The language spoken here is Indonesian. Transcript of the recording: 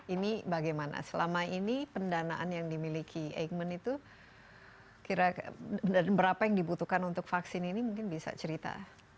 ini bagaimana selama ini pendanaan yang dimiliki eijkman itu kira kira dan berapa yang dibutuhkan untuk vaksin ini mungkin bisa cerita